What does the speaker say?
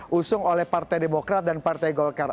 di usung oleh partai demokrat dan partai golkar